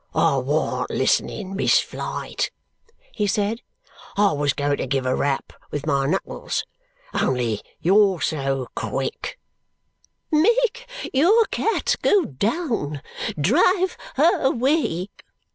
"I warn't listening, Miss Flite," he said, "I was going to give a rap with my knuckles, only you're so quick!" "Make your cat go down. Drive her away!"